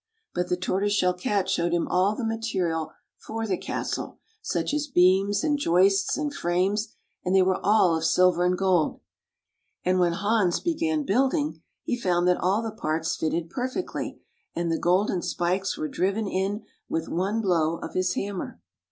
But the Tortoise Shell Cat showed him all the material for the castle, such as beams, and joists, and frames, and they were all of silver and gold. And when Hans began building, he found that all the parts fitted perfectly, and the golden spikes were driven in with one blow of his hammer.